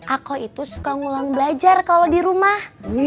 aku itu suka ngulang belajar kalau di rumah